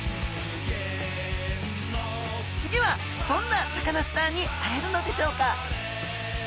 次はどんなサカナスターに会えるのでしょうか。